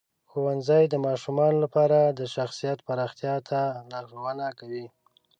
ښوونځی د ماشومانو لپاره د شخصیت پراختیا ته لارښوونه کوي.